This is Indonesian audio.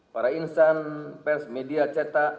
para insan pers media cetak